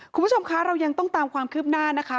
คุณผู้ชมคะเรายังต้องตามความคืบหน้านะคะ